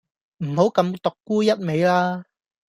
唔好咁獨沽一味啦